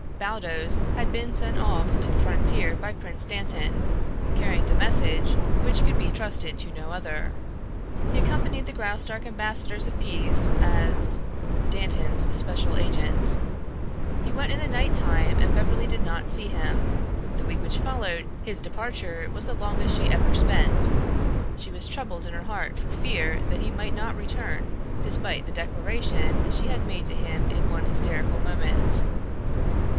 Baldos had been sent off to the frontier by Prince Dantan, carrying the message which could be trusted to no other. He accompanied the Graustark ambassadors of peace as Dantan's special agent. He went in the night time and Beverly did not see him. The week which followed his departure was the longest she ever spent. She was troubled in her heart for fear that he might not return, despite the declaration she had made to him in one hysterical moment.